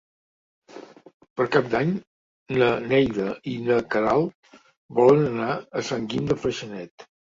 Per Cap d'Any na Neida i na Queralt volen anar a Sant Guim de Freixenet.